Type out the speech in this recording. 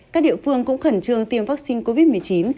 các địa phương cũng khẩn trương tiêm vắc xin covid một mươi chín